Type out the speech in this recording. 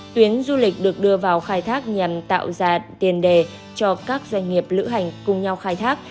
tuyến du lịch được đưa vào khai thác nhằm tạo ra tiền đề cho các doanh nghiệp lữ hành cùng nhau khai thác